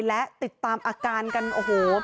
และติดตามอาการกันโอ้โห